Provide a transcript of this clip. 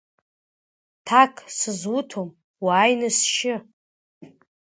Ҭак сызуҭом, уааины сшьы.